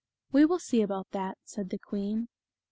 "We will see about that," said the queen.